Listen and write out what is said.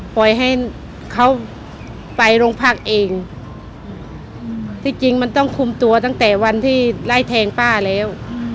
ปล่อยให้เขาไปโรงพักเองที่จริงมันต้องคุมตัวตั้งแต่วันที่ไล่แทงป้าแล้ว